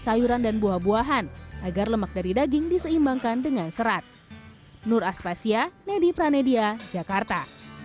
sayuran dan buah buahan agar lemak dari daging diseimbangkan dengan serat nur aspasya nedi pranedia jakarta